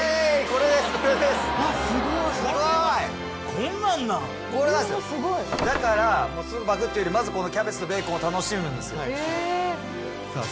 これなんですよだからすぐパクッというよりまずこのキャベツとベーコンを楽しむんですよさあ